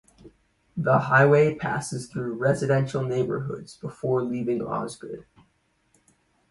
The highway passes through residential neighborhoods, before leaving Osgood.